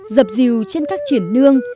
dập dìu trên các triển nương